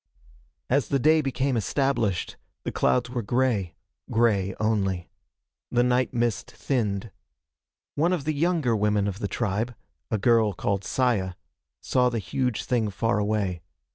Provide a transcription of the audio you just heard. As the day became established, the clouds were gray gray only. The night mist thinned. One of the younger women of the tribe a girl called Saya saw the huge thing far away.